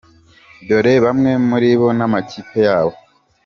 Dore bamwe muri bo n’amakipe yabo :.